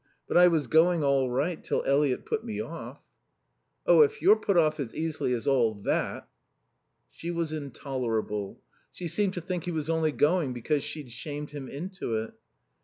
But I was going all right till Eliot put me off." "Oh, if you're put off as easily as all that " She was intolerable. She seemed to think he was only going because she'd shamed him into it.